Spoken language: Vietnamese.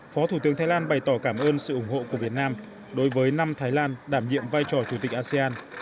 phó thủ tướng thái lan bày tỏ cảm ơn sự ủng hộ của việt nam đối với năm thái lan đảm nhiệm vai trò chủ tịch asean